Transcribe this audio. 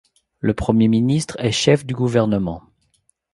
Le Premier ministre est le chef du gouvernement.